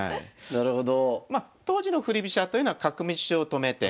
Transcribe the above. なるほど。